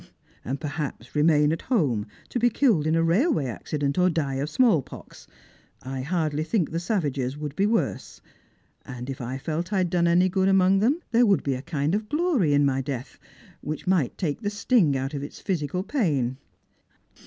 " And perhaps remain at home to be killed in a railway acci dent, or die of smallpox. I hardly think the savages would be worse ; and if I felt I had done any good among them, there would be a kind of glory in my death, which might take the sting out of its physical pain."